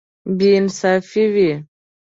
بې انصافي وي.